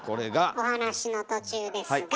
お話の途中ですが。